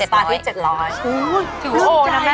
เฮ้ยสุดใจแม่